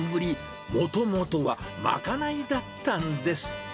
もともとは賄いだったんです。